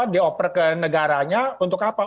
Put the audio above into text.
dioper ke negaranya untuk apa